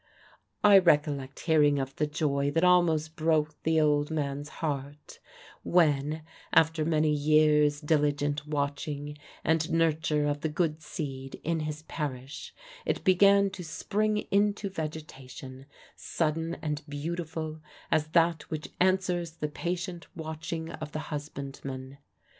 I recollect hearing of the joy that almost broke the old man's heart, when, after many years' diligent watching and nurture of the good seed in his parish, it began to spring into vegetation, sudden and beautiful as that which answers the patient watching of the husbandman.